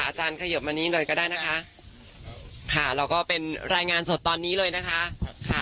อาจารย์เขยิบมานี้เลยก็ได้นะคะค่ะเราก็เป็นรายงานสดตอนนี้เลยนะคะค่ะ